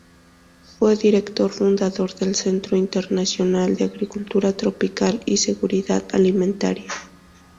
Fue Director fundador del Centro Internacional de Agricultura Tropical y Seguridad Alimentaria.